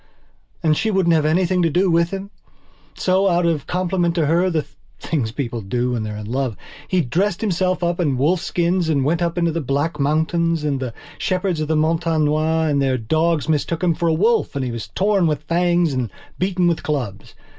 And she wouldn't have anything to do with him. So, out of compliment to herthe things people do when they're in love!he dressed himself up in wolfskins and went up into the Black Mountains. And the shepherds of the Montagne Noire and their dogs mistook him for a wolf and he was torn with the fangs and beaten with clubs.